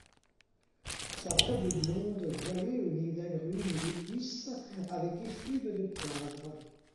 Sa robe blonde voilée au nez d’agrumes et d'épices avec effluves de poivre.